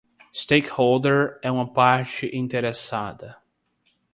Stakeholder é uma parte interessada.